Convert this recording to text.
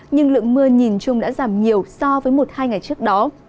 nhưng lượng mưa nhìn chung đã giảm nhiều so với một hai ngày trước đó